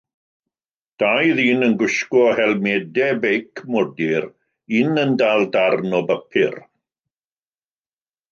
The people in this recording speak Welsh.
Dau ddyn yn gwisgo helmedau beic modur, un yn dal darn o bapur.